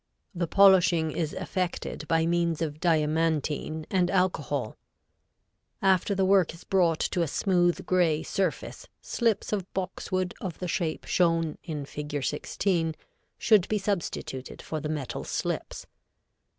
The polishing is effected by means of diamantine and alcohol. After the work is brought to a smooth gray surface, slips of boxwood of the shape shown in Fig. 16 should be substituted for the metal slips.